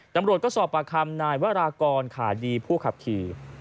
ตำรวจก็สอบปากคำนายวรากรขาดีผู้ขับขี่